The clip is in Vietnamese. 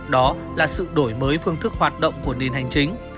đó là sự đổi mới phương thức hoạt động của nền hành chính